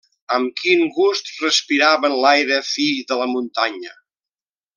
Amb quin gust respiraven l'aire fi de la muntanya!